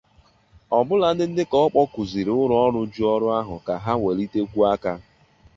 ọbụladị dịka ọ kpọkuzịrị ụlọọrụ ji ọrụ ahụ ka welitekwuo aka